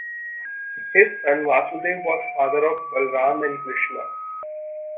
His son Vasudeva was father of Balarama and Krishna.